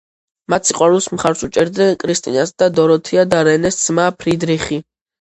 მათ სიყვარულს მხარს უჭერდნენ კრისტინას და დოროთეა და რენეს ძმა ფრიდრიხი.